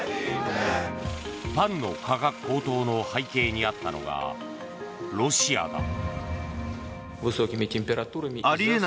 パンの価格高騰の背景にあったのがロシアだ。